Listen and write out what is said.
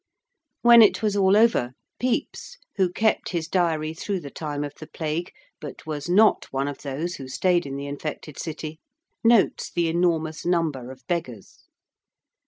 When it was all over Pepys, who kept his Diary through the time of the Plague but was not one of those who stayed in the infected City, notes the enormous number of beggars.